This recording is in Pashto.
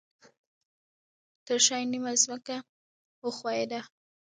ترشاه یې نیمه ځمکه وښویده